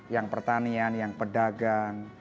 yang pertanian yang pertanian yang pertanian